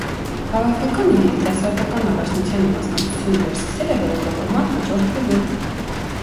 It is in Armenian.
Հավաքականը երիտասարդական առաջնությանը մասնակցությունը վերսկսել է որակավորման հաջորդ փուլում։